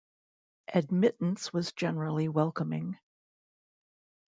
Admittance was generally welcoming.